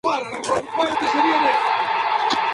Además, otros dos hombres fueron ejecutados.